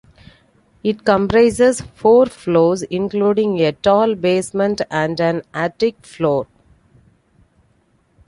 It comprises four floors, including a tall basement and an attic floor.